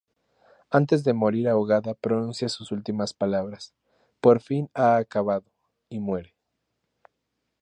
Antes de morir ahogada pronuncia sus últimas palabras: ""Por fin ha acabado..."" y muere.